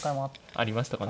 ありましたかね。